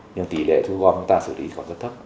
nhưng tỷ lệ thu gom chúng ta xử lý còn rất thấp